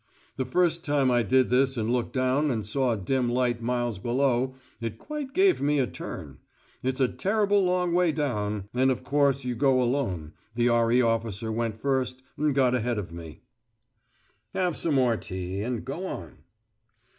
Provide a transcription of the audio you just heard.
The first time I did this and looked down and saw a dim light miles below, it quite gave me a turn. It's a terrible long way down, and of course you go alone; the R.E. officer went first, and got ahead of me." "Have some more tea, and go on."